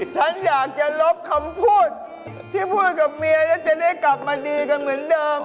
ฉันอยากจะลบคำพูดที่พูดกับเมียแล้วจะได้กลับมาดีกันเหมือนเดิม